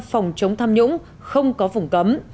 phòng chống tham nhũng không có vùng cấm